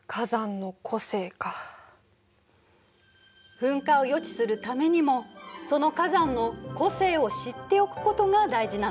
噴火を予知するためにもその火山の個性を知っておくことが大事なの。